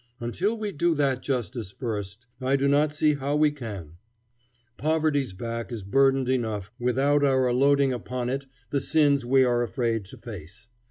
Until we do that justice first, I do not see how we can. Poverty's back is burdened enough without our loading upon it the sins we are afraid to face.